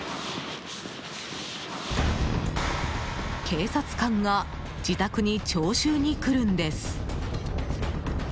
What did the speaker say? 警察官が自宅に徴収に来るんです。